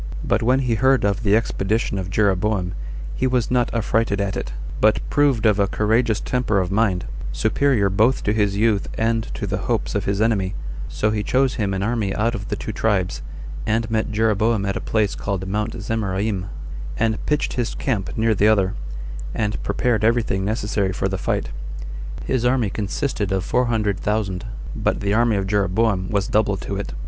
But when he heard of the expedition of Jeroboam, he was not affrighted at it, but proved of a courageous temper of mind, superior both to his youth and to the hopes of his enemy; so he chose him an army out of the two tribes, and met Jeroboam at a place called Mount Zemaraim, and pitched his camp near the other, and prepared everything necessary for the fight. His army consisted of four hundred thousand, but the army of Jeroboam was double to it.